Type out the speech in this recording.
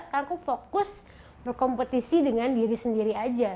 sekarang aku fokus berkompetisi dengan diri sendiri aja